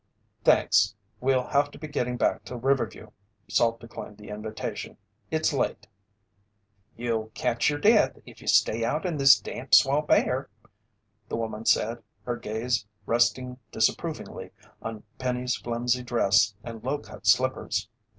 "Thanks, we'll have to be getting back to Riverview," Salt declined the invitation. "It's late." "You'll catch your death if you stay out in this damp swamp air," the woman said, her gaze resting disapprovingly on Penny's flimsy dress and low cut slippers.